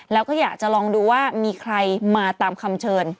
แล้วก็อยากจะลองดูว่ามีใครมาตามคำเชิญ